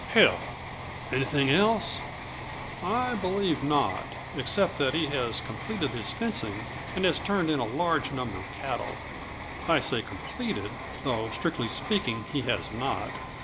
"Hell! Anything else?" "I believe not except that he has completed his fencing and has turned in a large number of cattle. I say completed, though strictly speaking he has not.